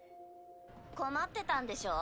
困ってたんでしょ？